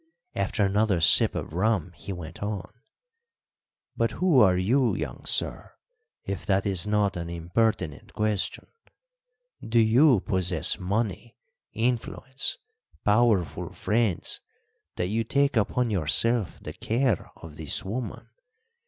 After another sip of rum he went on: "But who are you, young sir, if that is not an impertinent question? Do you possess money, influence, powerful friends, that you take upon yourself the care of this woman?